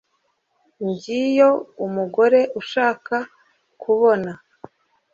Ngiyo umugore ushaka kukubona